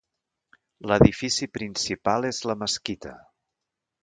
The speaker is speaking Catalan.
L'edifici principal és la mesquita.